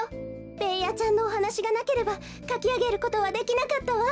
ベーヤちゃんのおはなしがなければかきあげることはできなかったわ。